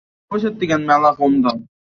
প্রতাপ ভালো আছে তো?